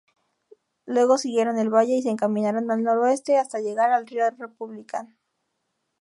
Luego siguieron el valle y se encaminaron al noroeste, hasta llegar al río Republican.